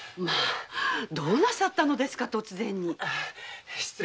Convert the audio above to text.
どうなさったのですか突然に？